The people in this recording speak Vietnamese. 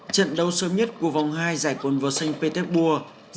trận đấu sớm nhất của vòng hai giải quần vợt xanh peterborough